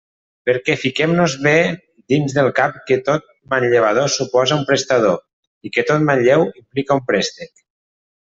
Perquè fiquem-nos bé dins del cap que tot manllevador suposa un prestador, i que tot malleu implica un préstec.